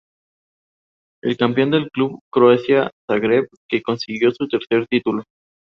El campeón fue el club Croacia Zagreb que consiguió su tercer título.